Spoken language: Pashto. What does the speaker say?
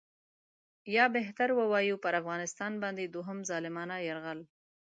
یا بهتر ووایو پر افغانستان باندې دوهم ظالمانه یرغل.